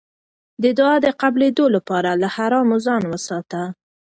د دعا د قبلېدو لپاره له حرامو ځان وساته.